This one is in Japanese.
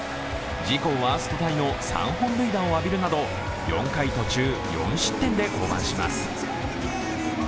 自己ワーストタイの３本塁打を浴びるなど、４回途中４失点で降板します。